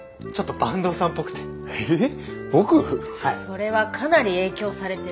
それはかなり影響されてるね。